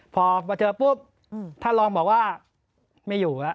พอมาเจอปุ๊บท่านรองบอกว่าไม่อยู่แล้ว